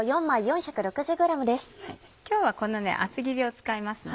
今日はこの厚切りを使います。